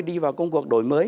đi vào công cuộc đổi mới